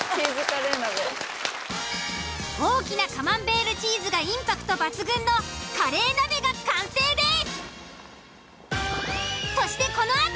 大きなカマンベールチーズがインパクト抜群のカレー鍋が完成です！